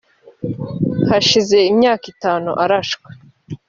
hashize imyaka itanu arashwe